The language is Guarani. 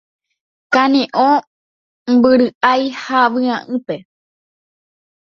Kane'õ, mbyry'ái ha vy'ápe